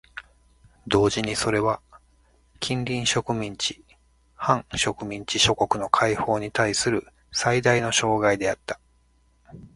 同時にそれは近隣植民地・半植民地諸国の解放にたいする最大の障害であった。